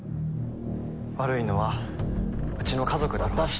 悪いのはうちの家族だろうし。